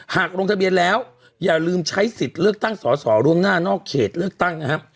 ลงทะเบียนแล้วอย่าลืมใช้สิทธิ์เลือกตั้งสอสอล่วงหน้านอกเขตเลือกตั้งนะครับ